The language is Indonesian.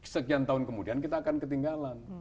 sekian tahun kemudian kita akan ketinggalan